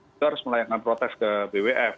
kita harus melayankan protes ke bwf